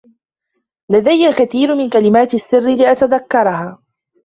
لديَ الكثير من كلمات السر لأتذكرها.